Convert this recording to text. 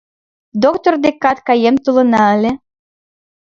Доктор декат каем толына ыле...